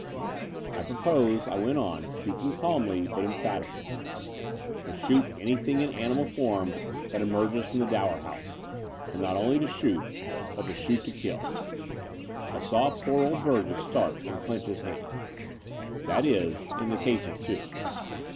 '* "I propose," I went on, speaking calmly, but emphatically, "to shoot anything in animal form that emerges from the Dower House, and not only to shoot, but to shoot to kill —" I saw poor old Burgess start and clench his hand — "that is, in the case of two.